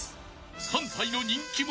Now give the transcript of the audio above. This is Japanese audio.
関西の人気者？